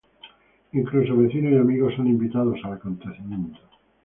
Incluso vecinos y amigos son invitados al acontecimiento.